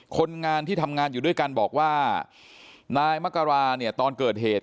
คนงานที่ทำงานอยู่ด้วยกันบอกว่านายมกราเนี่ยตอนเกิดเหตุ